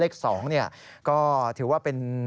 เลข๒ก็ถือว่าเป็น